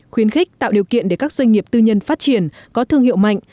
khuyến khích tạo điều kiện để các doanh nghiệp tư nhân phát triển có thương hiệu mạnh